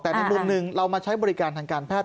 แต่ในมุมหนึ่งเรามาใช้บริการทางการแพทย